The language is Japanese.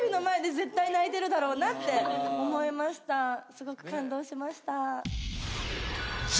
すごく感動しました。